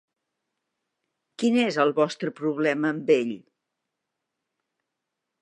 Quin és el vostre problema amb ell?